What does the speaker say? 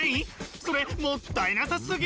それもったいなさすぎ！